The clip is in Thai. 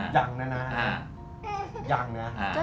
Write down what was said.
อย่างนานานา